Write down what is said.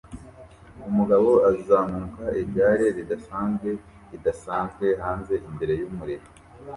Umugabo azamuka igare ridasanzwe ridasanzwe hanze imbere yumuriro